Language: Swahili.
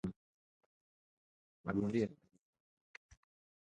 ya maisha yaliambatana moja kwa moja na ubunifu wa mwanadamu